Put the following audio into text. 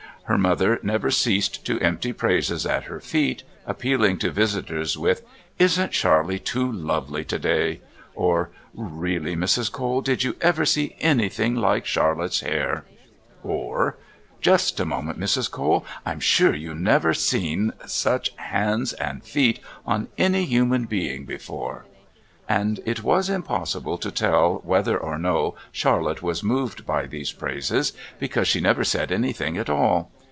Her mother never ceased to empty praises at her feet, appealing to visitors with: "Isn't Charlotte too lovely to day?" or "Really, Mrs. Cole, did you ever see anything like Charlotte's hair?" or "Just a moment, Mrs. Cole, I'm sure you've never seen such hands and feet on any human being before!" and it was impossible to tell whether or no Charlotte was moved by these praises, because she never said anything at all.